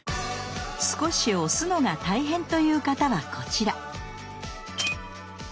少し押すのが大変という方はこちら！